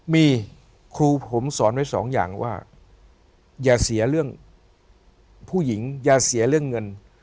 มีครูผมสอนไว้สองอย่างว่าอย่าเสียเรื่องผู้หญิงอย่าเสียเรื่องเงิน